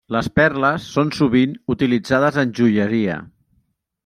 Les perles són sovint utilitzades en joieria.